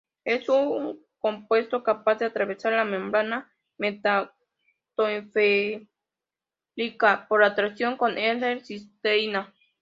Es un compuesto capaz de atravesar la membrana hematoencefálica por activación con L-cisteína.